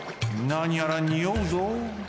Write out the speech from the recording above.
なにやらにおうぞ。